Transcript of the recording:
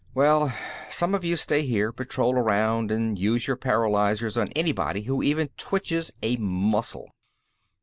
"Well, some of you stay here: patrol around, and use your paralyzers on anybody who even twitches a muscle."